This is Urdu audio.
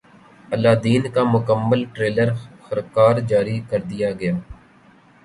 الہ دین کا مکمل ٹریلر خرکار جاری کردیا گیا